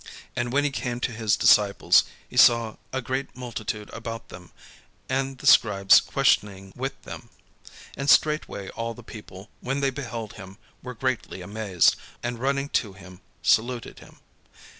And when he came to his disciples, he saw a great multitude about them, and the scribes questioning with them. And straightway all the people, when they beheld him, were greatly amazed, and running to him saluted him.